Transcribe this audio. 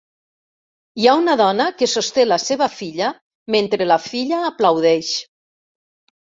Hi ha una dona que sosté la seva filla mentre la filla aplaudeix.